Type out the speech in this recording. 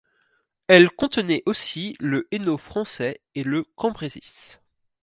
Elle contenait aussi le Hainaut français et le Cambrésis.